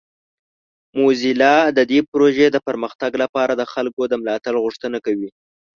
موزیلا د دې پروژې د پرمختګ لپاره د خلکو د ملاتړ غوښتنه کوي.